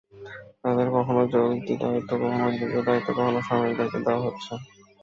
তাঁদের কখনো চলতি দায়িত্ব, কখনো অতিরিক্ত দায়িত্ব, কখনো সাময়িক দায়িত্ব দেওয়া হচ্ছে।